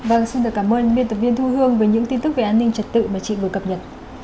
vâng xin được cảm ơn biên tập viên thu hương với những tin tức về an ninh trật tự mà chị vừa cập nhật